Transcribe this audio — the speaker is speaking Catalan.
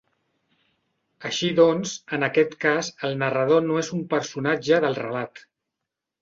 Així doncs, en aquest cas, el narrador no és un personatge del relat.